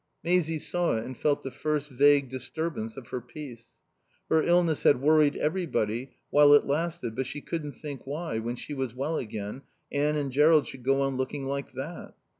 Maisie saw it and felt the first vague disturbance of her peace. Her illness had worried everybody while it lasted, but she couldn't think why, when she was well again, Anne and Jerrold should go on looking like that.